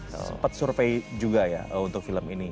sempat survei juga ya untuk film ini